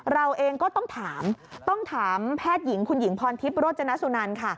เราเองก็ต้องถามต้องถามแพทย์หญิงคุณหญิงพรทิพย์โรจนสุนันค่ะ